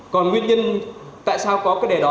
còn nguyên nhân tại sao có cái đề đó